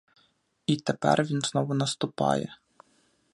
І тепер він знову наступає.